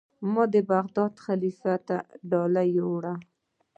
ما د بغداد خلیفه ته ډالۍ یووړه.